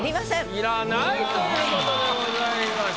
いらないということでございました。